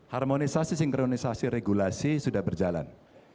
harmonisasi sinkronisasi regulasi sudah berjalan